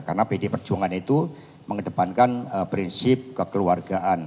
karena pd perjuangan itu mengedepankan prinsip kekeluargaan